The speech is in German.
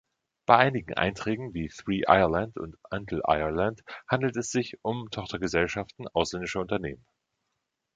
Bei einigen Einträgen wie Three Ireland und Intel Ireland handelt es sich um Tochtergesellschaften ausländischer Unternehmen.